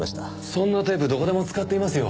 そんなテープどこでも使っていますよ。